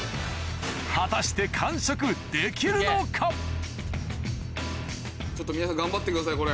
果たしてちょっと皆さん頑張ってくださいこれ。